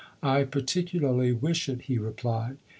" I particularly wish it," he replied.